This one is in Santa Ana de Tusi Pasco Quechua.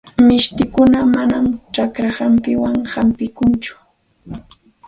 Mishtikuna manam chakra hampiwan hampinakunchu.